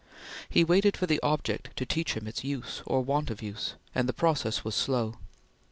He waited for the object to teach him its use, or want of use, and the process was slow.